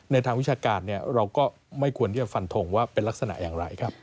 ทางวิชาการเราก็ไม่ควรที่จะฟันทงว่าเป็นลักษณะอย่างไรครับ